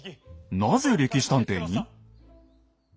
なぜ「歴史探偵」に？